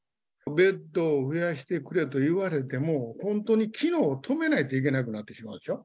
ベッドを増やしてくれと言われても、本当に機能を止めないといけなくなってしまうでしょ。